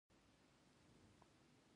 داسې مهال د دې سیالیو لپاره چمتوالی نیسي